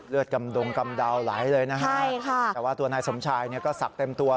เลือดกำดุงกำดาวหลายเลยนะครับแต่ว่าตัวนายสมชายก็ศักดิ์เต็มตัว